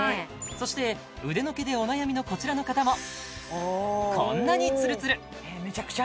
そして腕の毛でお悩みのこちらの方もこんなにツルツルえっメチャクチャ